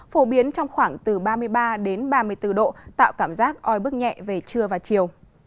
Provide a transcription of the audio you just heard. phổ biến trong khoảng từ ba mươi ba đến ba mươi bốn độ tạo cảm giác oi bức nhẹ về trưa và chiều